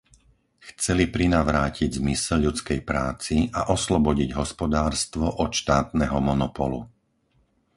Chceli prinavrátiť zmysel ľudskej práci a oslobodiť hospodárstvo od štátneho monopolu.